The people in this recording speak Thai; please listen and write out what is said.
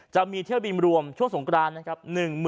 จะมีเที่ยวบินรวมช่วงสงกรานนะครับ